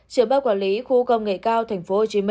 trưởng ban quản lý khu công nghệ cao tp hcm